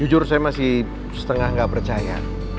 jujur saya masih setengah nggak percaya